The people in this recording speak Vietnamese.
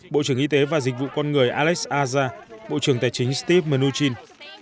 bộ trưởng y tế và dịch vụ con người alex azar bộ trưởng tài chính steve mnuchin